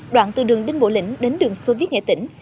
đoạn từ đường đinh bộ lĩnh đến đường xô viết nghệ tỉnh